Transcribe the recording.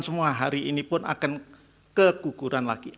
semua hari ini pun akan kekuguran lagi